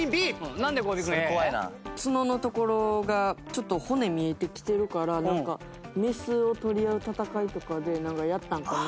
なんで小尾君Ａ？角のところが骨見えてきてるからメスを取り合う戦いとかでやったんかな。